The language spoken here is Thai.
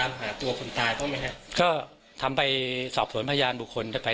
่าเท่าที่สอบขอพภพภูรบาททำไปทำไปแน่มากน้อยแค่ไหน